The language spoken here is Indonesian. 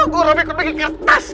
gue robikot bagian kertas